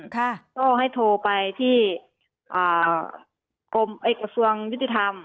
ก็ให้โทรไปที่กระทรวงยุทธิธรรม